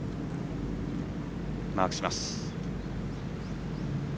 マークしました。